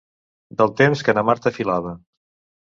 Del temps que na Marta filava.